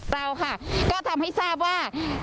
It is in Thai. เราค่ะก็ทำให้ทราบว่า